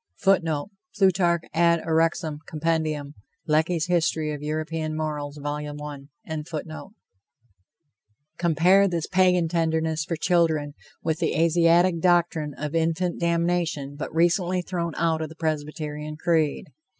[Footnote: Plutarch Ad Uxorem. Comp. Lecky's History of European Morals. Vol. I.] Compare this Pagan tenderness for children with the Asiatic doctrine of infant damnation but recently thrown out of the Presbyterian creed.